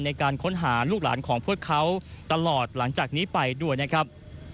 ในการค้นหาลูกหลานของพวกเขาตลอดหลังจากนี้ไปด้วยนะครับ